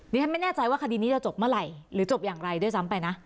ฉันไม่แน่ใจว่าคดีนี้จะจบเมื่อไหร่หรือจบอย่างไรด้วยซ้ำไปนะ